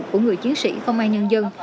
của người chiến sĩ công an nhân dân